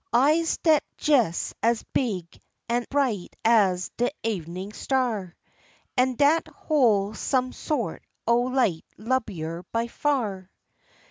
Eyes dat's jes as big an' bright as de evenin' star; An' dat hol' some sort o' light lublier by far.